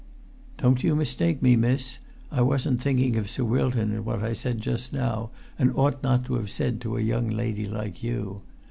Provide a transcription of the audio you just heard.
Don't you mistake me, miss; I wasn't thinking of Sir Wilton in what I said just now, and ought not to have said to a young lady like you.